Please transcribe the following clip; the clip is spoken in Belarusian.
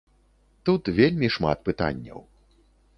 Тут вельмі шмат пытанняў.